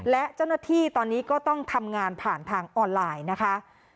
และเจ้าหน้าที่ตอนนี้ก็ต้องทำงานผ่านทางออนไลน์นะคะ